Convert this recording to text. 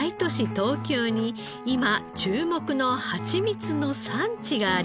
東京に今注目のハチミツの産地があります。